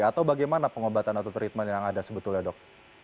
atau bagaimana pengobatan atau treatment yang ada sebetulnya dok